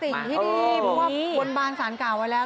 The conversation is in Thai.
เป็นสิ่งที่ดีบริการบานสารก่าวไว้แล้ว